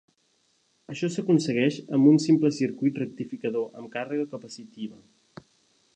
Això s'aconsegueix amb un simple circuit rectificador amb càrrega capacitiva.